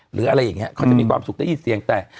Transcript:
หรืออะไรอย่างนี้เขาจะมีความสุขได้ยินเสียงแต่